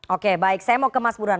oke baik saya mau ke mas burhan